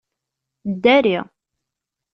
Ddari!